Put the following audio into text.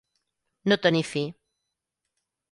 No tenir fi.